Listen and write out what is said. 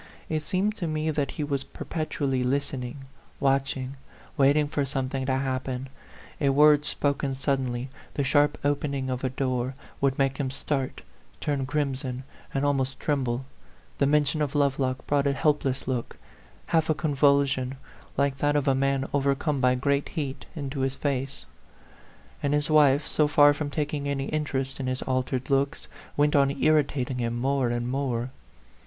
It seemed to me that he was per petually listening, watching, waiting for 106 A PHANTOM LOVER. something to happen: a word spoken sud denly, the sharp opening of a door, would make him start, turn crimson, and almost tremble ; the mention of Lovelock brought a helpless look, half a convulsion, like that of a man overcome by great heat, into his face. And his wife, so far from taking any interest in his altered looks, went on irritating him more and more.